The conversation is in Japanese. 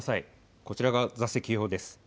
こちらが座席表です。